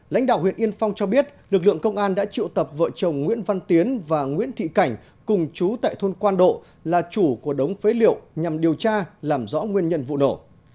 lãnh đạo huyện yên phong cho biết lực lượng công an đã triệu tập vợ chồng nguyễn văn tiến và nguyễn thị cảnh cùng chú tại thôn quan độ là chủ của đống phế liệu nhằm điều tra làm rõ nguyên nhân vụ nổ